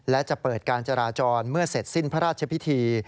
และจะเปิดการจราจรเมื่อเสร็จสิ้นพระราชพิธี